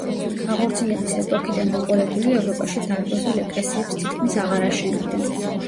აღორძინების ეპოქიდან მოყოლებული ევროპაში დარბაზულ ეკლესიებს თითქმის აღარ აშენებენ.